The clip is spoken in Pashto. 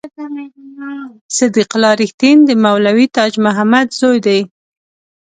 صدیق الله رښتین د مولوي تاج محمد زوی دی.